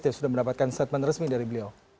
dan sudah mendapatkan statement resmi dari beliau